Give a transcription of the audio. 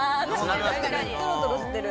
とろとろしてる。